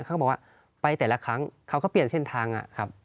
เขาบอกว่าไปแต่ละครั้งเขาก็เปลี่ยนเส้นทางครับ